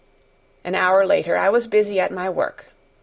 An hour later I was busy at my work.